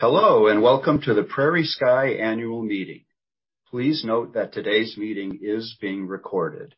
Hello, welcome to the PrairieSky annual meeting. Please note that today's meeting is being recorded.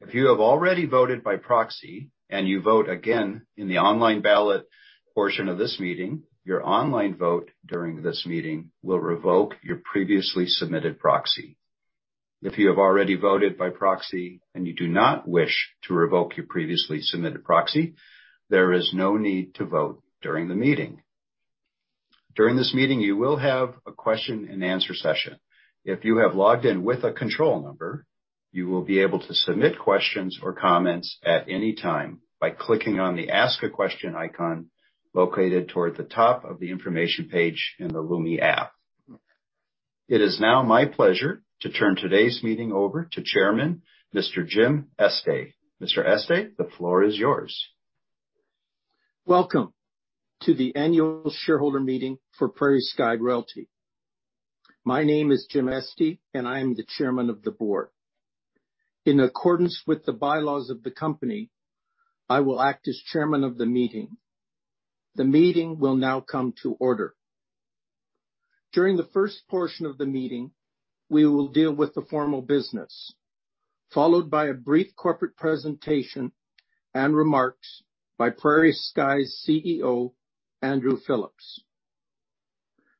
If you have already voted by proxy and you vote again in the online ballot portion of this meeting, your online vote during this meeting will revoke your previously submitted proxy. If you have already voted by proxy and you do not wish to revoke your previously submitted proxy, there is no need to vote during the meeting. During this meeting, you will have a question and answer session. If you have logged in with a control number, you will be able to submit questions or comments at any time by clicking on the Ask a Question icon located toward the top of the information page in the Lumi app. It is now my pleasure to turn today's meeting over to Chairman, Mr. Jim Estey. Mr. Estey, the floor is yours. Welcome to the annual shareholder meeting for PrairieSky Royalty. My name is Jim Estey, and I am the Chairman of the Board. In accordance with the bylaws of the company, I will act as Chairman of the meeting. The meeting will now come to order. During the first portion of the meeting, we will deal with the formal business, followed by a brief corporate presentation and remarks by PrairieSky's CEO, Andrew Phillips.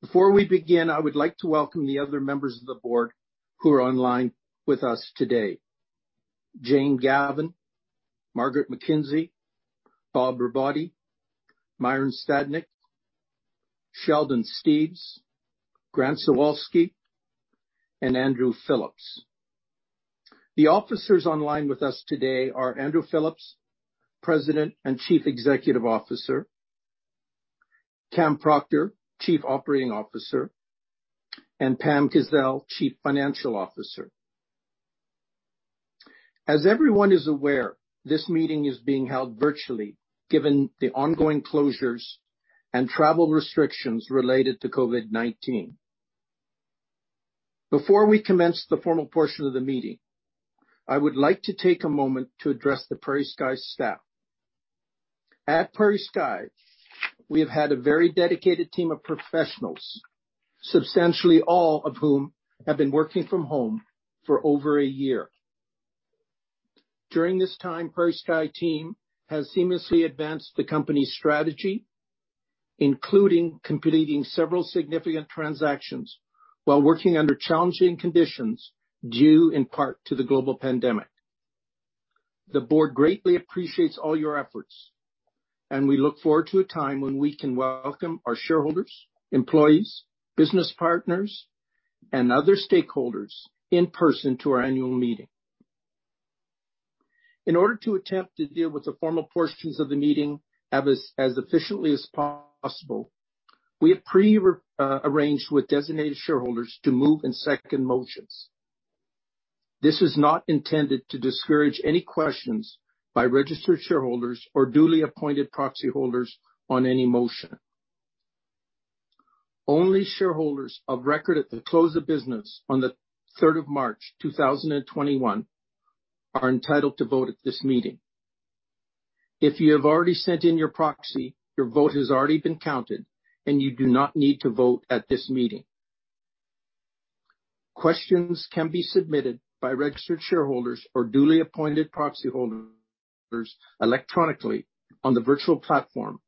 Before we begin, I would like to welcome the other members of the Board who are online with us today. Jane Gavan, Margaret McKenzie, Bob Robotti, Myron Stadnyk, Sheldon Steeves, Grant Zawalsky, and Andrew Phillips. The officers online with us today are Andrew Phillips, President and Chief Executive Officer, Cam Proctor, Chief Operating Officer, and Pam Kazeil, Chief Financial Officer. As everyone is aware, this meeting is being held virtually given the ongoing closures and travel restrictions related to COVID-19. Before we commence the formal portion of the meeting, I would like to take a moment to address the PrairieSky staff. At PrairieSky, we have had a very dedicated team of professionals, substantially all of whom have been working from home for over a year. During this time, PrairieSky team has seamlessly advanced the company's strategy, including completing several significant transactions while working under challenging conditions due in part to the global pandemic. The Board greatly appreciates all your efforts, and we look forward to a time when we can welcome our shareholders, employees, business partners, and other stakeholders in person to our annual meeting. In order to attempt to deal with the formal portions of the meeting as efficiently as possible, we have pre-arranged with designated shareholders to move and second motions. This is not intended to discourage any questions by registered shareholders or duly appointed proxy holders on any motion. Only shareholders of record at the close of business on the 3rd of March 2021 are entitled to vote at this meeting. If you have already sent in your proxy, your vote has already been counted, and you do not need to vote at this meeting. Questions can be submitted by registered shareholders or duly appointed proxy holders electronically on the virtual platform,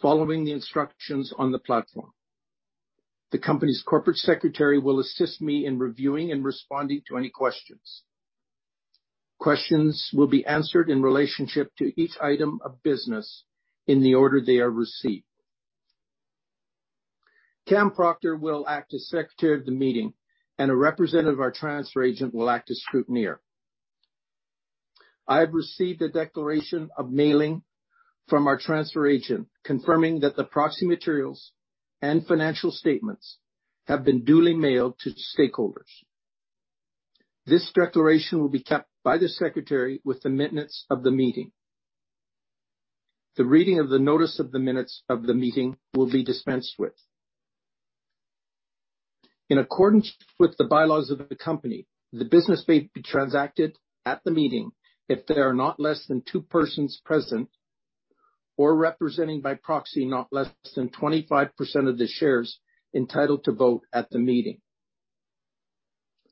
following the instructions on the platform. The company's Corporate Secretary will assist me in reviewing and responding to any questions. Questions will be answered in relationship to each item of business in the order they are received. Cam Proctor will act as Secretary of the meeting, and a representative of our transfer agent will act as Scrutineer. I have received a declaration of mailing from our transfer agent confirming that the proxy materials and financial statements have been duly mailed to stakeholders. This declaration will be kept by the Secretary with the minutes of the meeting. The reading of the notice of the minutes of the meeting will be dispensed with. In accordance with the bylaws of the company, the business may be transacted at the meeting if there are not less than two persons present or representing by proxy not less than 25% of the shares entitled to vote at the meeting.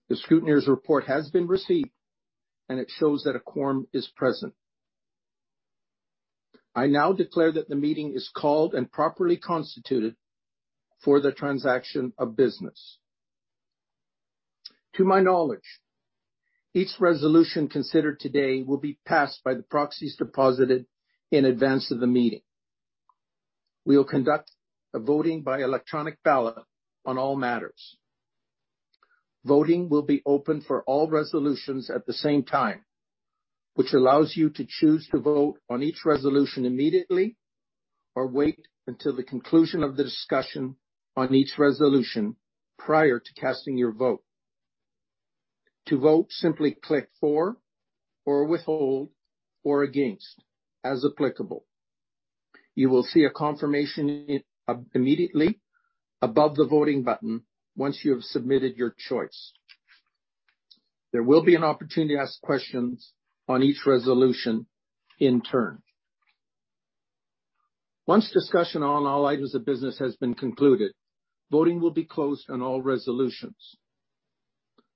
The Scrutineer's report has been received, and it shows that a quorum is present. I now declare that the meeting is called and properly constituted for the transaction of business. To my knowledge, each resolution considered today will be passed by the proxies deposited in advance of the meeting. We will conduct a voting by electronic ballot on all matters. Voting will be open for all resolutions at the same time, which allows you to choose to vote on each resolution immediately or wait until the conclusion of the discussion on each resolution prior to casting your vote. To vote, simply click for or withhold or against as applicable. You will see a confirmation immediately above the voting button once you have submitted your choice. There will be an opportunity to ask questions on each resolution in turn. Once discussion on all items of business has been concluded, voting will be closed on all resolutions.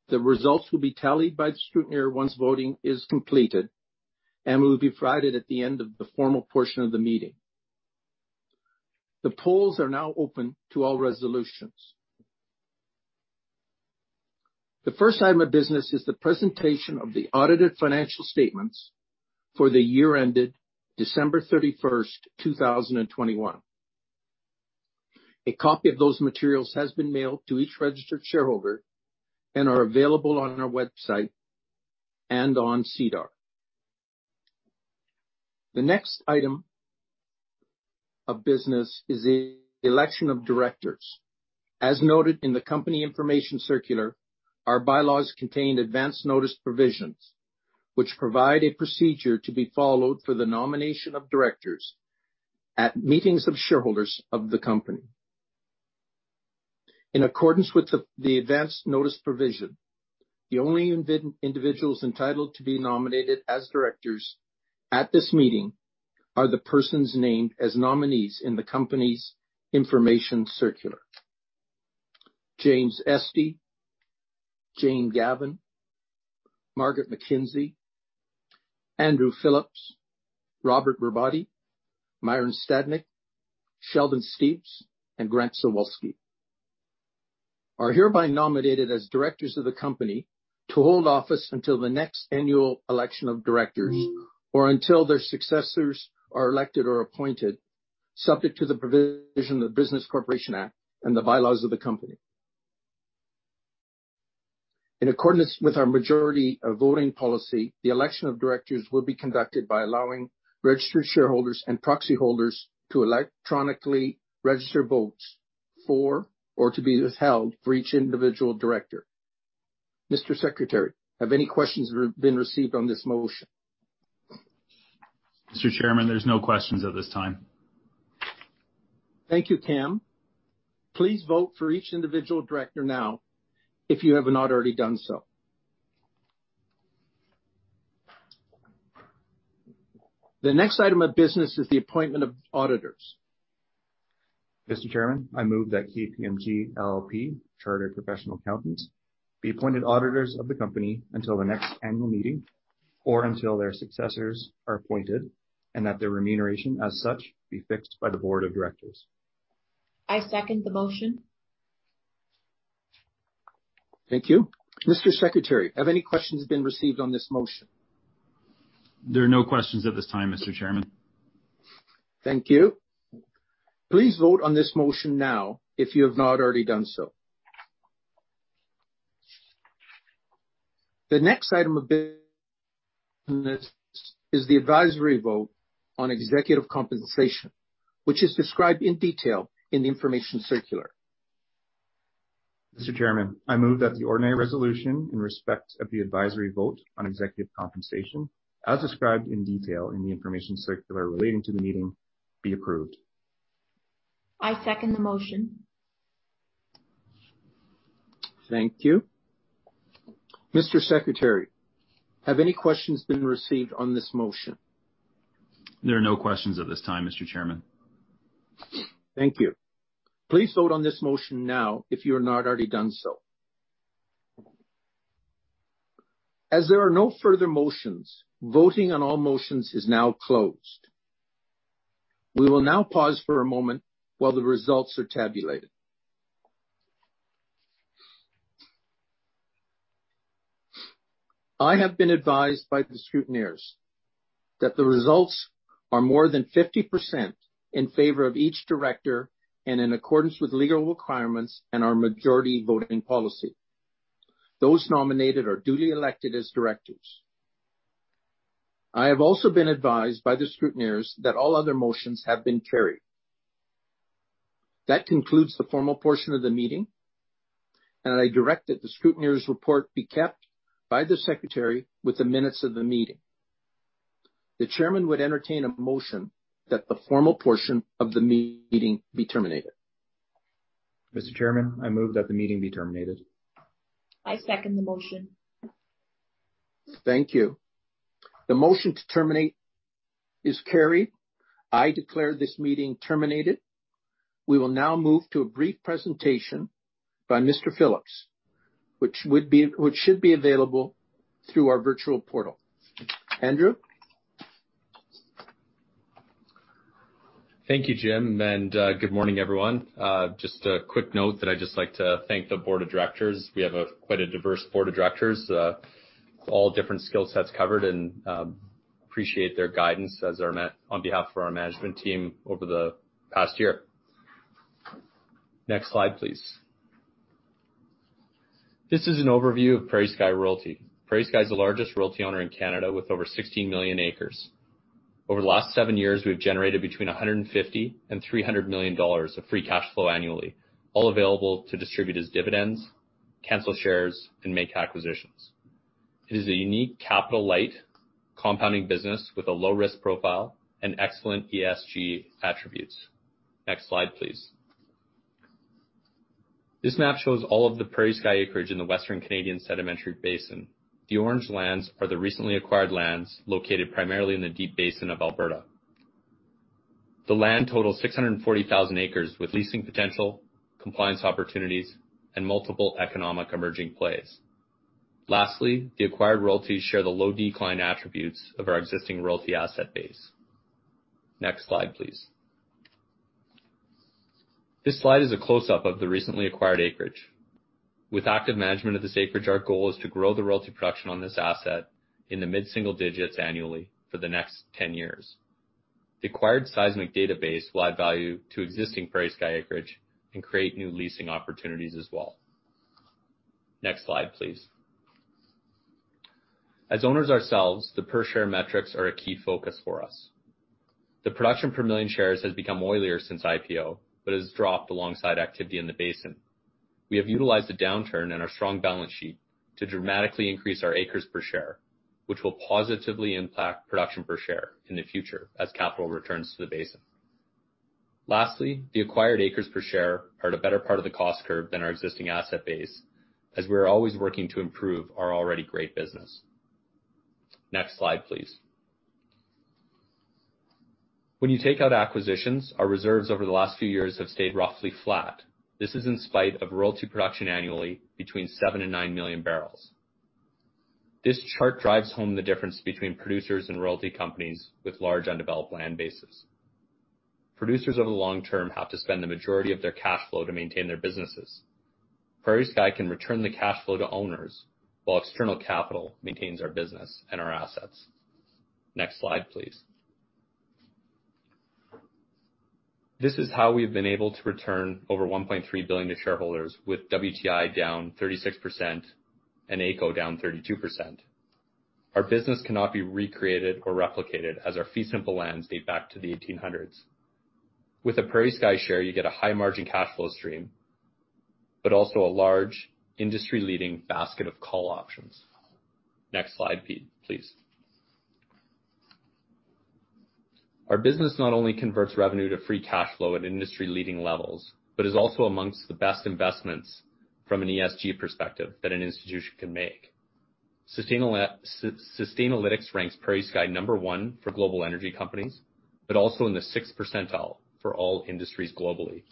The results will be tallied by the Scrutineer once voting is completed, and will be provided at the end of the formal portion of the meeting. The polls are now open to all resolutions. The first item of business is the presentation of the audited financial statements for the year ended December 31st, 2021. A copy of those materials has been mailed to each registered shareholder and are available on our website and on SEDAR. The next item of business is the election of Directors. As noted in the company information circular, our bylaws contain advance notice provisions, which provide a procedure to be followed for the nomination of Directors at meetings of shareholders of the company. In accordance with the advance notice provision, the only individuals entitled to be nominated as Directors at this meeting are the persons named as nominees in the company's information circular. James Estey, Jane Gavan, Margaret McKenzie, Andrew Phillips, Robert Robotti, Myron Stadnyk, Sheldon Steeves, and Grant Zawalsky are hereby nominated as Directors of the company to hold office until the next annual election of Directors or until their successors are elected or appointed, subject to the provision of the Business Corporations Act and the bylaws of the company. In accordance with our majority voting policy, the election of Directors will be conducted by allowing registered shareholders and proxy holders to electronically register votes for or to be withheld for each individual Director. Mr. Secretary, have any questions been received on this motion? Mr. Chairman, there's no questions at this time. Thank you, Cam. Please vote for each individual Director now, if you have not already done so. The next item of business is the appointment of auditors. Mr. Chairman, I move that KPMG LLP, chartered professional accountants, be appointed auditors of the company until the next annual meeting or until their successors are appointed, and that their remuneration as such be fixed by the Board of Directors. I second the motion. Thank you. Mr. Secretary, have any questions been received on this motion? There are no questions at this time, Mr. Chairman. Thank you. Please vote on this motion now if you have not already done so. The next item of business is the advisory vote on executive compensation, which is described in detail in the information circular. Mr. Chairman, I move that the ordinary resolution in respect of the advisory vote on executive compensation, as described in detail in the information circular relating to the meeting, be approved. I second the motion. Thank you. Mr. Secretary, have any questions been received on this motion? There are no questions at this time, Mr. Chairman. Thank you. Please vote on this motion now if you have not already done so. As there are no further motions, voting on all motions is now closed. We will now pause for a moment while the results are tabulated. I have been advised by the Scrutineers that the results are more than 50% in favor of each Director, and in accordance with legal requirements and our majority voting policy. Those nominated are duly elected as Directors. I have also been advised by the Scrutineers that all other motions have been carried. That concludes the formal portion of the meeting, and I direct that the Scrutineer's report be kept by the Secretary with the minutes of the meeting. The Chairman would entertain a motion that the formal portion of the meeting be terminated. Mr. Chairman, I move that the meeting be terminated. I second the motion. Thank you. The motion to terminate is carried. I declare this meeting terminated. We will now move to a brief presentation by Mr. Phillips, which should be available through our virtual portal. Andrew? Thank you, Jim. Good morning, everyone. Just a quick note that I'd just like to thank the Board of Directors. We have quite a diverse Board of Directors, all different skill sets covered, and appreciate their guidance on behalf of our management team over the past year. Next slide, please. This is an overview of PrairieSky Royalty. PrairieSky is the largest royalty owner in Canada with over 16 million acres. Over the last seven years, we've generated between 150 million and 300 million dollars of free cash flow annually, all available to distribute as dividends, cancel shares, and make acquisitions. It is a unique capital-light compounding business with a low risk profile and excellent ESG attributes. Next slide, please. This map shows all of the PrairieSky acreage in the Western Canadian sedimentary basin. The orange lands are the recently acquired lands located primarily in the deep basin of Alberta. The land totals 640,000 acres with leasing potential, compliance opportunities, and multiple economic emerging plays. Lastly, the acquired royalties share the low decline attributes of our existing royalty asset base. Next slide, please. This slide is a close-up of the recently acquired acreage. With active management of this acreage, our goal is to grow the royalty production on this asset in the mid-single digits annually for the next 10 years. The acquired seismic database will add value to existing PrairieSky acreage and create new leasing opportunities as well. Next slide, please. As owners ourselves, the per-share metrics are a key focus for us. The production per million shares has become oilier since IPO, but has dropped alongside activity in the basin. We have utilized the downturn and our strong balance sheet to dramatically increase our acres per share, which will positively impact production per share in the future as capital returns to the basin. Lastly, the acquired acres per share are at a better part of the cost curve than our existing asset base, as we are always working to improve our already great business. Next slide, please. When you take out acquisitions, our reserves over the last few years have stayed roughly flat. This is in spite of royalty production annually between 7 million barrels and 9 million barrels. This chart drives home the difference between producers and royalty companies with large undeveloped land bases. Producers over the long term have to spend the majority of their cash flow to maintain their businesses. PrairieSky can return the cash flow to owners while external capital maintains our business and our assets. Next slide, please. This is how we've been able to return over 1.3 billion to shareholders with WTI down 36% and AECO down 32%. Our business cannot be recreated or replicated as our fee simple lands date back to the 1800s. With a PrairieSky share, you get a high-margin cash flow stream, but also a large industry-leading basket of call options. Next slide, please. Our business not only converts revenue to free cash flow at industry-leading levels but is also amongst the best investments from an ESG perspective that an institution can make. Sustainalytics ranks PrairieSky number one for global energy companies, but also in the sixth percentile for all industries globally.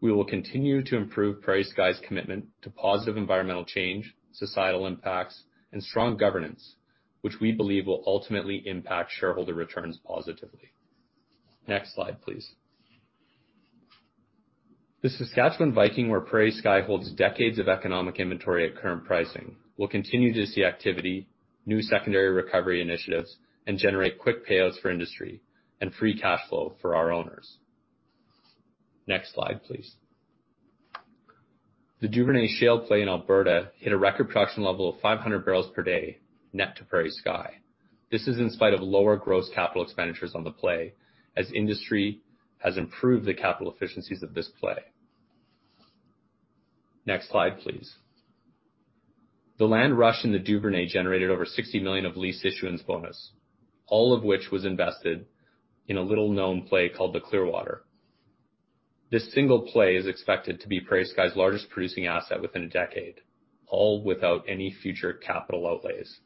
We will continue to improve PrairieSky's commitment to positive environmental change, societal impacts, and strong governance, which we believe will ultimately impact shareholder returns positively. Next slide, please. The Saskatchewan Viking, where PrairieSky holds decades of economic inventory at current pricing, will continue to see activity, new secondary recovery initiatives, and generate quick payouts for industry and free cash flow for our owners. Next slide, please. The Duvernay Shale play in Alberta hit a record production level of 500 bpd net to PrairieSky. This is in spite of lower gross capital expenditures on the play as the industry has improved the capital efficiencies of this play. Next slide, please. The land rush in the Duvernay generated over 60 million of lease issuance bonus, all of which was invested in a little-known play called the Clearwater. This single play is expected to be PrairieSky's largest producing asset within a decade, all without any future capital outlays.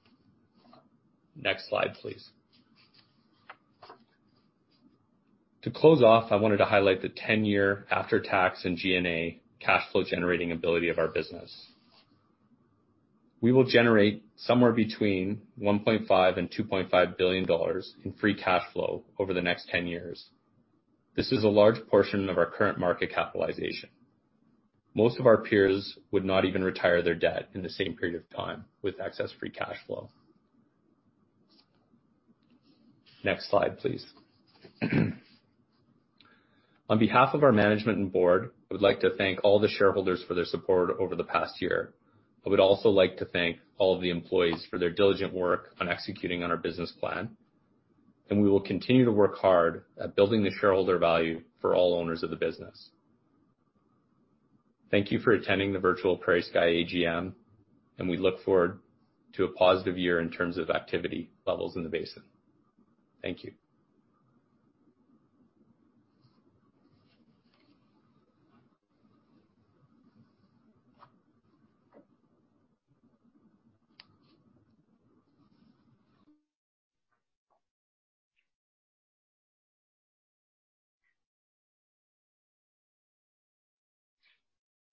Next slide, please. To close off, I wanted to highlight the 10-year after-tax and G&A cash flow generating ability of our business. We will generate somewhere between 1.5 billion and 2.5 billion dollars in free cash flow over the next 10 years. This is a large portion of our current market capitalization. Most of our peers would not even retire their debt in the same period of time with excess free cash flow. Next slide, please. On behalf of our management and Board, I would like to thank all the shareholders for their support over the past year. I would also like to thank all of the employees for their diligent work on executing on our business plan, and we will continue to work hard at building the shareholder value for all owners of the business. Thank you for attending the virtual PrairieSky AGM, and we look forward to a positive year in terms of activity levels in the basin. Thank you.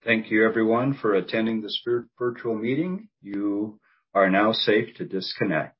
Thank you everyone for attending this virtual meeting. You are now safe to disconnect.